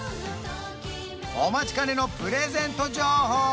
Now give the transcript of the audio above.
お待ちかねのプレゼント情報